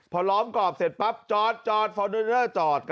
พอล้อมกรอบเสร็จปราบจอดจอดจอด